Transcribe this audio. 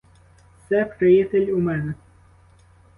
Це приятель у мене.